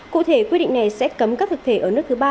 cụ thể quy định này sẽ cấm các thực thể ở nước thứ ba